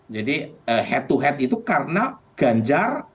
jadi head to head itu karena ganjar